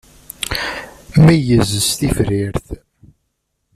Meyyez s tifrirt.